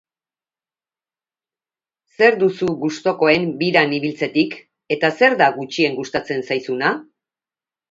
Zer duzu gustukoen biran ibiltzetik eta zer da gutxien gustatzen zaizuna?